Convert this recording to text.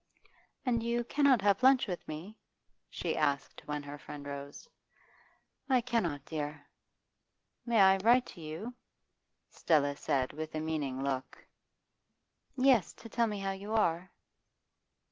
'And you cannot have lunch with me?' she asked when her friend rose. 'I cannot; dear.' 'May I write to you?' Stella said with a meaning look. 'Yes, to tell me how you are.